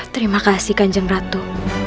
terima kasih kanjeng ratu